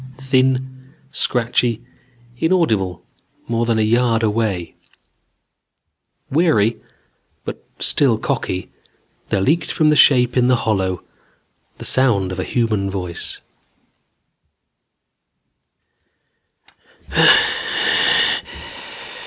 Thin, scratchy, inaudible more than a yard away, weary but still cocky, there leaked from the shape in the hollow the sound of a human voice.